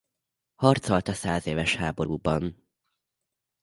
Harcolt a százéves háborúban.